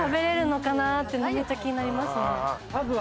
めっちゃ気になりますね。